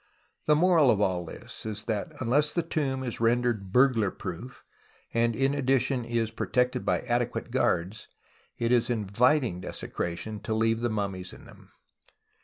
The moral of all this is that unless the tomb is rendered burglar proof, and in addition is protected by adequate guards, it is inviting desecration to leave the mummies in tliem.